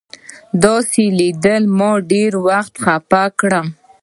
داسې لیدل ما ډېر زیات خفه کړم.